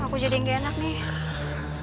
aku jadi yang gak enak nih